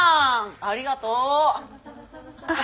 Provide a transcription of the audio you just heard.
ありがと！